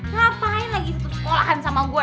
ngapain lagi putus sekolahan sama gue